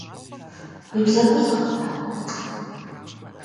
Уи бзэгур сыгъэлъагъут.